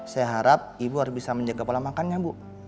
saya harap ibu harus bisa menjaga pola makannya bu